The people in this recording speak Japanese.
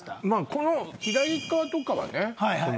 まあこの左側とかはね